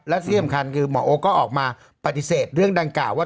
และที่สำคัญคือหมอโอ๊คก็ออกมาปฏิเสธเรื่องดังกล่าวว่า